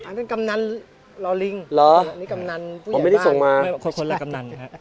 อันนั้นกำนันลอลิงหรออันนี้กำนันผู้ใหญ่บ้านผมไม่ได้ส่งมาคนคนละกำนันครับ